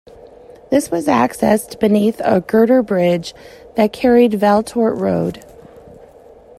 This was accessed beneath a girder bridge that carried Valletort Road.